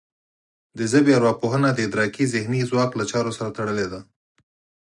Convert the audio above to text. د ژبې ارواپوهنه د ادراکي ذهني ځواک له چارو سره تړلې ده